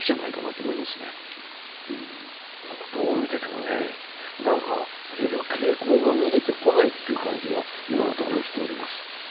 どう見てても、減る傾向が見えてこないという感じが、今のところしております。